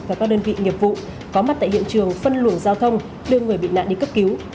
và các đơn vị nghiệp vụ có mặt tại hiện trường phân luồng giao thông đưa người bị nạn đi cấp cứu